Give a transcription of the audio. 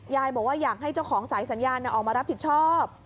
ยายบอกว่าอยากให้เจ้าของสายสัญญาณออกมารับผิดชอบ